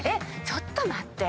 ちょっと待って。